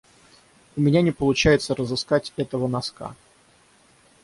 У меня не получается разыскать этого носка.